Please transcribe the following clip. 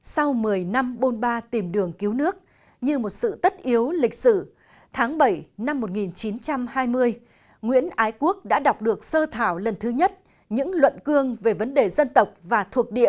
sau một mươi năm bôn ba tìm đường cứu nước như một sự tất yếu lịch sử tháng bảy năm một nghìn chín trăm hai mươi nguyễn ái quốc đã đọc được sơ thảo lần thứ nhất những luận cương về vấn đề dân tộc và thuộc địa